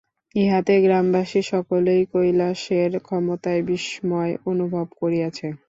ইহাতে গ্রামবাসী সকলেই কৈলাসের ক্ষমতায় বিস্ময় অনুভব করিয়াছে।